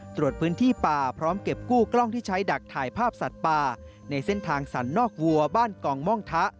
ตรวจพื้นที่ป่าพร้อมเก็บกู้กล้องที่ใช้ดักถ่ายภาพสัตว์ป่าในเส้นทางสรรนอกวัวบ้านกองม่องทะ